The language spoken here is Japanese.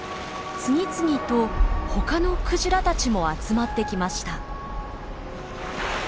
次々とほかのクジラたちも集まってきました。